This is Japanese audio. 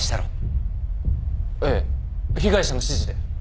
ええ被害者の指示で。